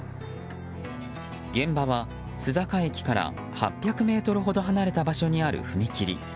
現場は須坂駅から８００ｍほど離れた場所にある踏切。